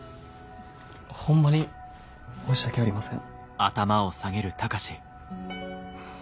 ホンマに申し訳ありません。